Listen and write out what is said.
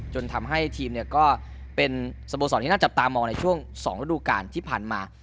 จนทำให้ทีมเนี่ยก็เป็นสโมสรที่น่าจับตามองในช่วง๒ฤดูการที่ผ่านมา